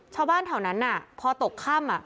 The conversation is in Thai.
ชาวบ้านแถวนั้นพอตกค่ำ